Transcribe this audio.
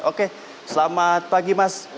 oke selamat pagi mas